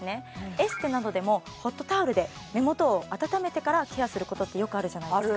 エステなどでもホットタオルで目元を温めてからケアすることってよくあるじゃないですか